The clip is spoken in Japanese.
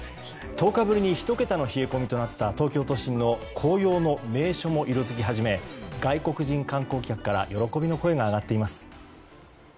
１０日ぶりに１桁の冷え込みとなった東京都心の紅葉の名所も色づき始め外国人観光客から喜びの声が上がっています。